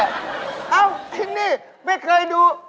เอ้าที่นี่ไม่เคยดู